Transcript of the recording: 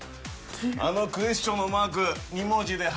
あのクエスチョンのマーク２文字で入る。